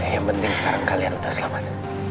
yang penting sekarang kalian sudah selamat